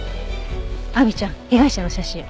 亜美ちゃん被害者の写真。